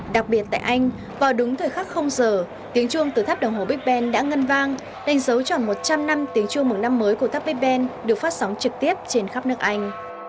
đặc biệt tại anh vào đúng thời khắc không giờ tiếng chuông từ tháp đồng hồ big ben đã ngân vang đánh dấu tròn một trăm linh năm tiếng chuông mừng năm mới của tháp piben được phát sóng trực tiếp trên khắp nước anh